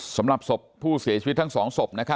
สำหรับศพผู้เสียชีวิตทั้ง๒ศพ